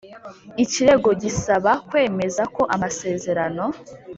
Ikirego gisaba kwemeza ko amasezerano